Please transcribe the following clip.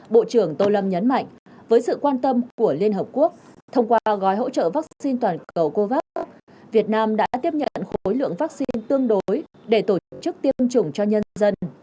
bộ trưởng tô lâm nhấn mạnh với sự quan tâm của liên hợp quốc thông qua gói hỗ trợ vaccine toàn cầu covax việt nam đã tiếp nhận khối lượng vaccine tương đối để tổ chức tiêm chủng cho nhân dân